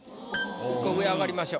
１個上上がりましょ。